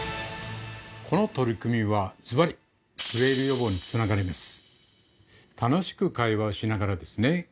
この取り組みはずばりフレイル予防につながります